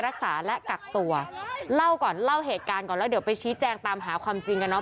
เราเล่าเหตุการณ์ก่อนแล้วเดี๋ยวไปชี้แจงตามหาความจริงกันเนาะ